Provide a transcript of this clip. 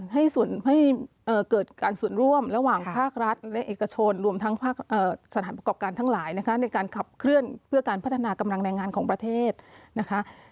ให้เกิดการส่วนร่วมระหว่างภาครัฐและเอกชนรวมทั้งภาคสถานประกอบการทั้งหลายนะคะในการขับเคลื่อนเพื่อการพัฒนากำลังแรงงานของประเทศนะคะ